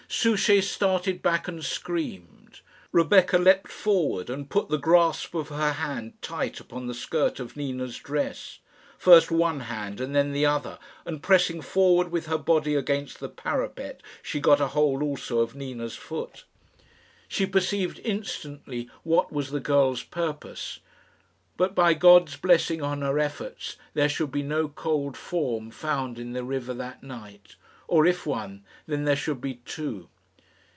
Souchey started back and screamed. Rebecca leaped forward and put the grasp of her hand tight upon the skirt of Nina's dress, first one hand and then the other, and, pressing forward with her body against the parapet, she got a hold also of Nina's foot. She perceived instantly what was the girl's purpose, but, by God's blessing on her efforts, there should be no cold form found in the river that night; or, if one, then there should be two.